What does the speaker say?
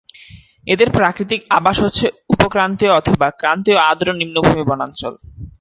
এদের প্রাকৃতিক আবাস হচ্ছে উপ-ক্রান্তীয় অথবা ক্রান্তীয় আর্দ্র নিম্নভূমি বনাঞ্চল।